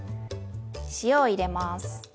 塩を入れます。